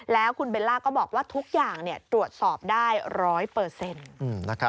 แล้วคุณเบลล่าก็บอกว่าทุกอย่างตรวจสอบได้ร้อยเปอร์เซ็นต์